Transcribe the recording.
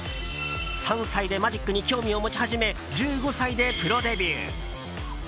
３歳でマジックに興味を持ち始め１５歳でプロデビュー。